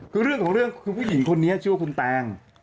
คือเรื่องของเรื่องคือผู้หญิงคนนี้ชื่อว่าคุณแตง